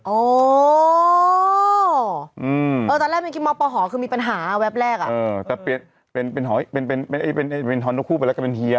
อืมเออตอนแรกมีคิมอบประหอคือมีปัญหาแวบแรกอ่ะเออแต่เปลี่ยนเป็นเป็นเป็นเป็นเป็นเป็นเป็นเป็นเฮีย